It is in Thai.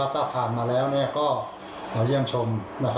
ถ้าผ่านมาแล้วก็เยี่ยมชม